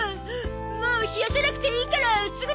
もう冷やさなくていいからすぐ食べよう！